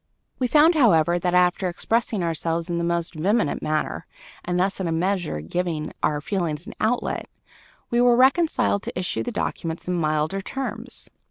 We found, however, that, after expressing ourselves in the most vehement manner and thus in a measure giving our feelings an outlet, we were reconciled to issue the documents in milder terms.